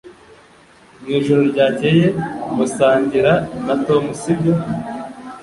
Mwijoro ryakeye musangira na Tom sibyo